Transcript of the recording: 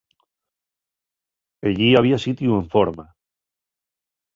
Ellí había sitiu enforma.